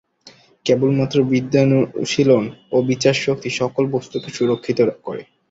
কেবলমাত্র বিদ্যানুশীলন ও বিচারশক্তি সকল বস্তুকে সুরক্ষিত করে।